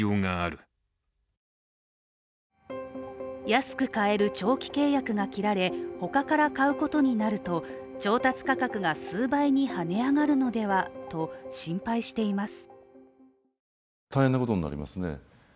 安く買える長期契約が切られ他から買うことになると、調達価格が数倍に跳ね上がるのではと心配しています。